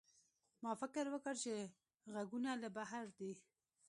ما فکر وکړ چې غږونه له بهر دي.